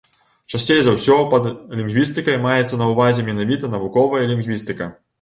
Часцей за ўсё пад лінгвістыкай маецца на ўвазе менавіта навуковая лінгвістыка.